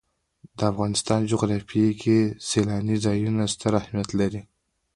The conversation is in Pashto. د افغانستان جغرافیه کې سیلانی ځایونه ستر اهمیت لري.